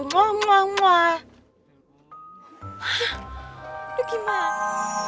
hah bikin mah